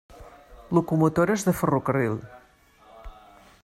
Locomotores de ferrocarril.